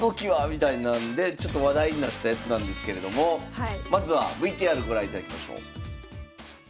みたいなんでちょっと話題になったやつなんですけれどもまずはＶＴＲご覧いただきましょう。